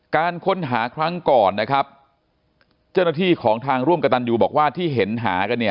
การค้นหาครั้งก่อนนะครับเจ้าหน้าที่ของทางร่วมกระตันยูบอกว่าที่เห็นหากันเนี่ย